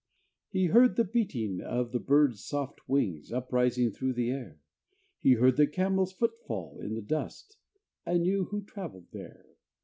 He heard the beating of the bird's soft wings Uprising through the air; He heard the camel's footfall in the dust, And knew who travelled there.